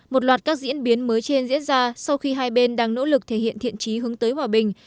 một loạt các diễn biến mới trên diễn ra sau khi hai bên đang nỗ lực thể hiện thiện trí hướng tới hòa bình